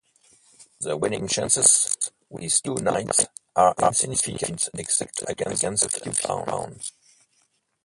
The winning chances with two knights are insignificant except against a few pawns.